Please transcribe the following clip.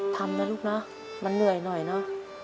ทำนะลูกนะมันเหนื่อยหน่อยเนอะ